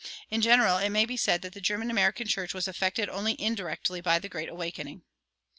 In general it may be said that the German American church was affected only indirectly by the Great Awakening.